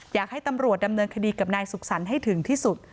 อยากให้ตำรวจดำเนินคดีกับนายสุขสรรค์ให้ถึงที่สุด